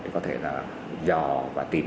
có thể là dò và tìm